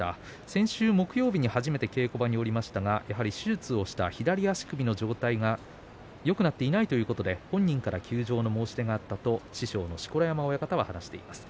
先週木曜日に初めて稽古場に下りましたが手術をして左足首の状態がよくなっていないということで本人から休場の申し出があったと師匠の錣山親方が話しています。